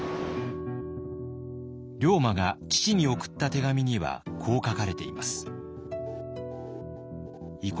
龍馬が父に送った手紙にはこう書かれています。